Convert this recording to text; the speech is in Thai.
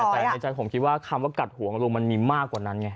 แต่ในใจผมคิดว่าคำว่ากัดหัวของลุงมันมีมากกว่านั้นไง